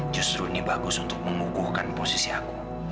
justru ini bagus untuk mengukuhkan posisi aku